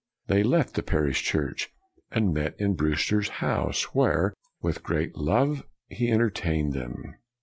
They left the parish church, and met in Brew ster's house, where " with great love he entertained them.